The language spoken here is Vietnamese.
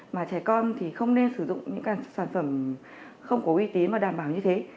mà trẻ con thì không nên sử dụng những sản phẩm không có y tế mà đảm bảo như thế